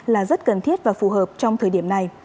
là rất cần thiết và phù hợp trong thời điểm này